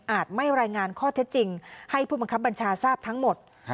ไม่รายงานข้อเท็จจริงให้ผู้บังคับบัญชาทราบทั้งหมด